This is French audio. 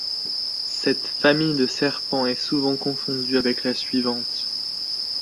Cette famille de serpents est souvent confondue avec la suivante.